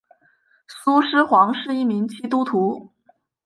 苏施黄是一名基督徒。